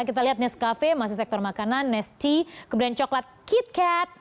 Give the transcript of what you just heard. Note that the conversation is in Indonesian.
kita lihat nescafe masih sektor makanan nes tea kemudian coklat kit kat